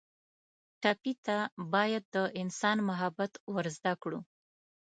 ټپي ته باید د انسان محبت ور زده کړو.